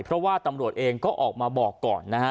เพราะว่าตำรวจเองก็ออกมาบอกก่อนนะฮะ